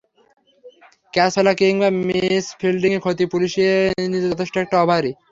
Catch ফেলা কিংবা miss ফিল্ডিংয়ের ক্ষতি পুষিয়ে নিতে যথেষ্ট একটা ওভারই।